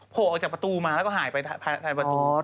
โผล่ออกจากประตูมาแล้วก็หายไปประตู